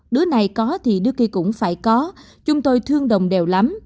đứa này có thì đứa kia cũng phải có chúng tôi thương đồng đều lắm